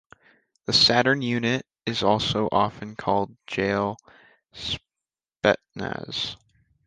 The Saturn unit is also often called "Jail Spetsnaz".